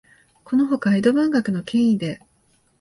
このほか、江戸文学の権威で、